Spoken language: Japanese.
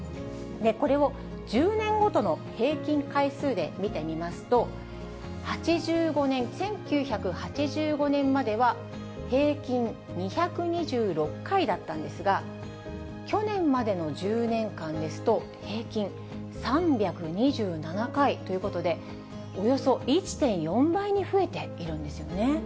これを１０年ごとの平均回数で見てみますと、８５年、１９８５年までは、平均２２６回だったんですが、去年までの１０年間ですと、平均３２７回ということで、およそ１．４倍に増えているんですよね。